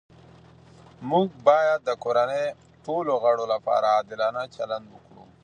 موږ باید د کورنۍ ټولو غړو لپاره عادلانه چلند وکړو